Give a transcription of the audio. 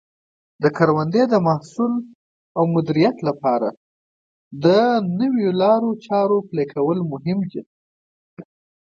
د کروندې د محصول مدیریت لپاره د نوو لارو چارو پلي کول مهم دي.